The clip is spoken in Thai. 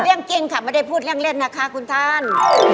เรื่องจริงค่ะไม่ได้พูดเรื่องเล่นนะคะคุณท่าน